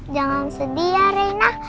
jangan sedih ya reina